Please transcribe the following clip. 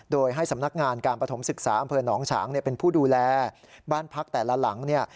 โดยให้สำนักงานการประถมศึกษาอำเภอหนองฉางเป็นผู้ดูแลบ้านพักแต่ละหลังเนี่ย